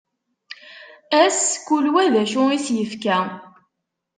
Ass kul wa d acu i s-yefka.